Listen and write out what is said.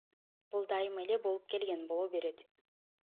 Бул дайыма эле болуп келген, боло берет.